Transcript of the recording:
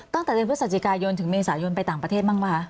ตั้งแต่เดือนพฤศจิกายนถึงเมษายนไปต่างประเทศบ้างป่ะคะ